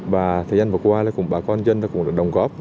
và thời gian vừa qua bà con dân cũng được đồng góp